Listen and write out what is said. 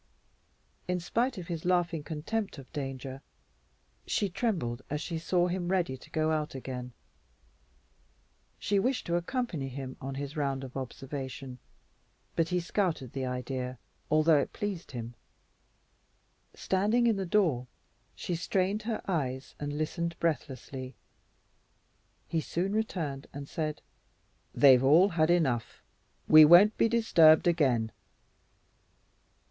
In spite of his laughing contempt of danger, she trembled as she saw him ready to go out again; she wished to accompany him on his round of observation, but he scouted the idea, although it pleased him. Standing in the door, she strained her eyes and listened breathlessly. He soon returned and said, "They've all had enough. We won't be disturbed again."